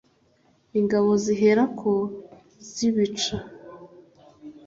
ingabo zihera ko zibica